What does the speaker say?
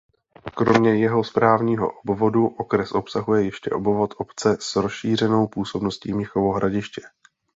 Kromě jeho správního obvodu okres obsahuje ještě obvod obce s rozšířenou působností Mnichovo Hradiště.